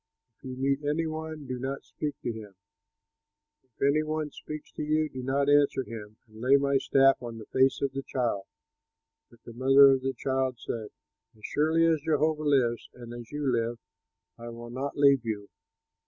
If you meet any one, do not speak to him, and if any one speaks to you do not answer him, and lay my staff on the face of the child." But the mother of the child said, "As surely as Jehovah lives and as you live, I will not leave you."